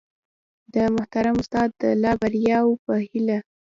د محترم استاد د لا بریاوو په هیله